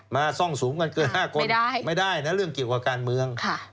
ซ่องสูงกันเกิน๕คนไม่ได้นะเรื่องเกี่ยวกับการเมือง